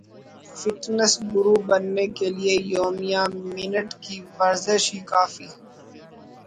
fitness گرو بننے کے لیے یومیہ منٹ کی ورزش ہی کافی